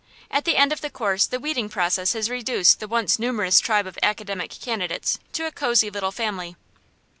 At the end of the course the weeding process has reduced the once numerous tribe of academic candidates to a cosey little family.